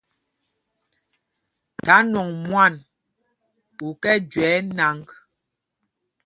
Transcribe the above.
Tha nwɔŋ mwân u kɛ́ jüe ɛ́ nǎŋg.